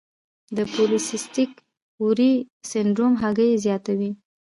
د پولی سیسټک اووری سنډروم هګۍ زیاتوي.